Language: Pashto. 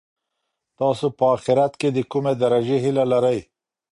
تاسي په اخیرت کي د کومې درجې هیله لرئ؟